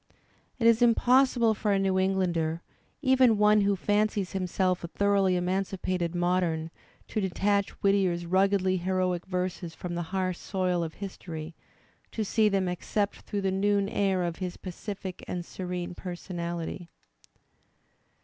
It is impossible for a New Englander (even one who fancies himself a thoroughly emancipated modem) to detach Whit tier's ruggedly heroic verses from the harsh soil of history, to ^ see them except through the noon air of his pacific and serene personality.